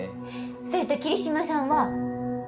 それと桐島さんは。